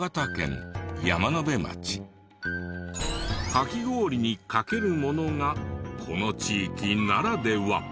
カキ氷にかけるものがこの地域ならでは。